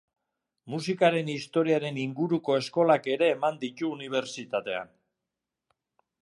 Musikaren Historiaren inguruko eskolak ere eman ditu unibertsitatean.